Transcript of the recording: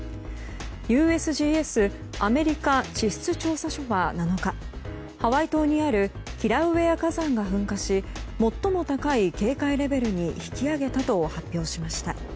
ＵＳＧＳ・アメリカ地質調査所は７日ハワイ島にあるキラウエア火山が噴火し最も高い警戒レベルに引き上げたと発表しました。